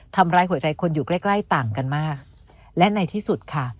ทำร้ายหัวใจคนอยู่ใกล้ใกล้ต่างกันมากและในที่สุดค่ะ